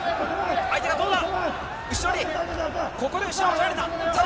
相手はどうだ。